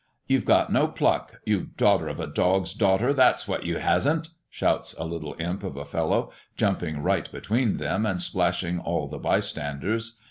"You've got no pluck! you daughter of a dog's daughter, that's what you hasn't!" shouts a little imp of a fellow, jumping right between them, and splashing all the bystanders.